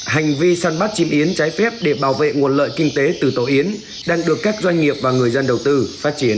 hành vi săn bắt chim yến trái phép để bảo vệ nguồn lợi kinh tế từ tổ yến đang được các doanh nghiệp và người dân đầu tư phát triển